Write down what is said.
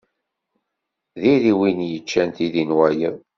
Diri win yeččan tidi n wayeḍ.